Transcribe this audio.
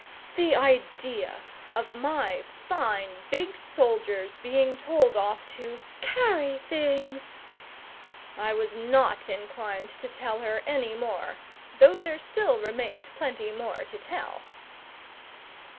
The idea of my fine big soldiers being told off to "carry things"! I was not inclined to tell her any more, though there still remained plenty more to tell.